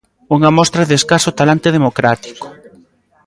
Unha mostra de "escaso talante democrático".